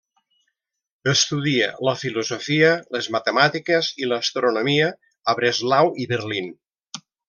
Estudia la filosofia, les matemàtiques i l'astronomia a Breslau i Berlín.